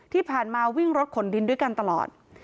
ที่ผ่านมาวิ่งรถขนดินด้วยกันตลอด